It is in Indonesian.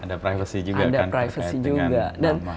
ada privacy juga kan